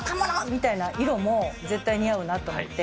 みたいな色も絶対似合うなと思って。